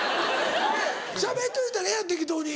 しゃべっといたらええやん適当に。